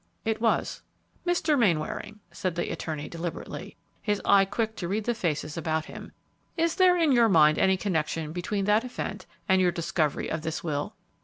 "It was." "Mr. Mainwaring," said the attorney, deliberately, his eye quick to read the faces about him, "is there in your mind any connection between that event and your discovery of this will?"